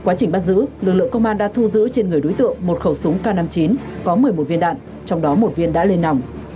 quá trình bắt giữ lực lượng công an đã thu giữ trên người đối tượng một khẩu súng k năm mươi chín có một mươi một viên đạn trong đó một viên đã lên nòng